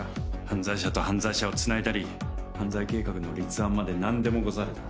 犯罪者と犯罪者をつないだり犯罪計画の立案まで何でもござれだ